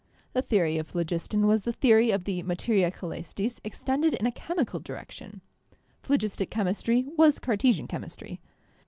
The theory of phlogiston was the theory of the 'Materia Cselestis' extended in a chemical direction. Phlogistic chemistry was Cartesian chemistry.